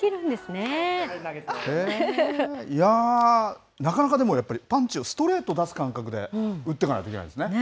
いやー、なかなかでもやっぱりパンチを、ストレートを出す感覚で打ってかないといけないんですね。